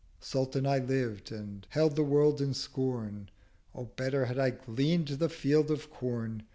Sultan I lived, and held the World in scorn: O better had I glean'd the Field of Corn!